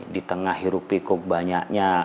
di tengah hirup pikuk banyaknya